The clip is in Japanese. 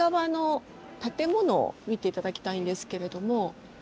見て頂きたいんですけれども。